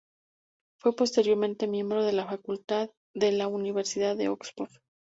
Fue posteriormente miembro de la facultad en la Universidad de Oxford.